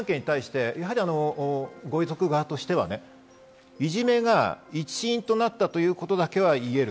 ご遺族側としてはいじめが一因となったということだけは言える。